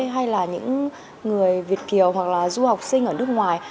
hay là những người việt kiều hoặc là du học sinh ở nước ngoài